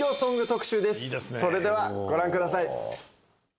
それではご覧ください。